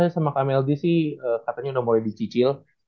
sama kamel g sih katanya udah boleh dicicil